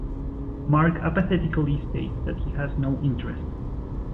Mark apathetically states that he has no interest.